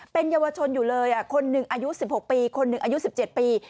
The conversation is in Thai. เป็นเยาวชนอยู่เลยคนหนึ่งอายุ๑๖ปีคนหนึ่งอายุ๑๗ปี